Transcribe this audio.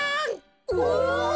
お！